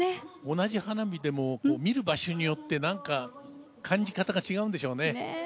同じ花火でも、見る場所によってなんか、感じ方が違うんでしょうね。